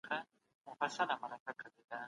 اسلامي شریعت بشپړ او عادل دی.